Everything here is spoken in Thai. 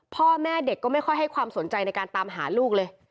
พ่อแม่เด็กก็ไม่ค่อยให้ความสนใจในการตามหาลูกเลย